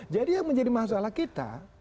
jadi yang menjadi masalah kita